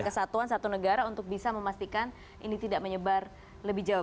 kesatuan satu negara untuk bisa memastikan ini tidak menyebar lebih jauh